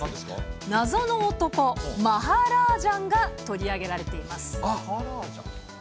謎の男、マハラージャンが取り上げられています。